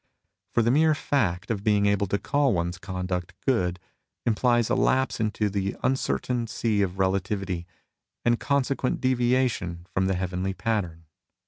For the mere fact of being able to call one's conduct good implies a lapse into the uncertain sea of relativity, and consequent deviation from the heavenly pattern.